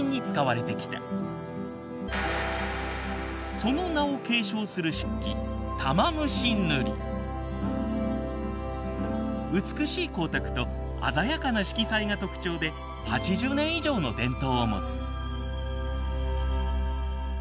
その名を継承する漆器美しい光沢と鮮やかな色彩が特徴で８０年以上の伝統を持つ。